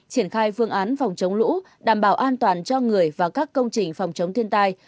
triển khai phương án phòng chống lũ đảm bảo an toàn cho người và các công trình phòng chống thiên tai